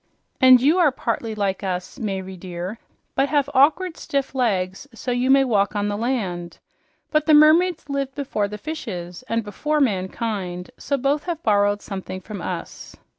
And you are partly like us, Mayre dear, but have awkward stiff legs so you may walk on the land. But the mermaids lived before fishes and before mankind, so both have borrowed something from us."